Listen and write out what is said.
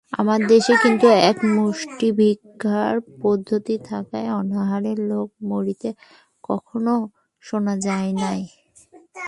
আমাদের দেশে কিন্তু এক মুষ্টিভিক্ষার পদ্ধতি থাকায় অনাহারে লোক মরিতে কখনও শোনা যায় নাই।